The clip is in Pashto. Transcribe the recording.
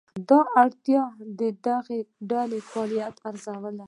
دا اړتیا د دغو ډلو فعالیت ارزول دي.